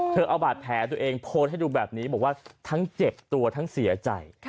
เอาบาดแผลตัวเองโพสต์ให้ดูแบบนี้บอกว่าทั้งเจ็บตัวทั้งเสียใจ